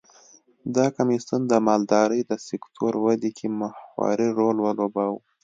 دا کمېسیون د مالدارۍ د سکتور ودې کې محوري رول ولوباوه.